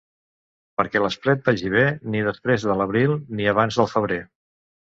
Perquè l'esplet vagi bé, ni després de l'abril ni abans del febrer.